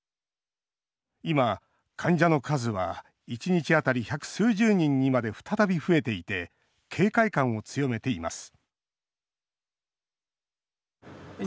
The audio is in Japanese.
今、患者の数は１日当たり百数十人にまで再び増えていて警戒感を強めています